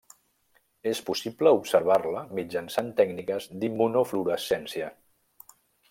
És possible observar-la mitjançant tècniques d'immunofluorescència.